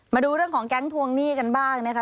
มาดูเรื่องของแก๊งทวงหนี้กันบ้างนะคะ